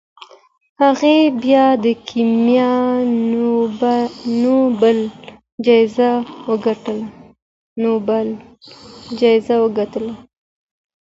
هغې بیا د کیمیا نوبل جایزه وګټله.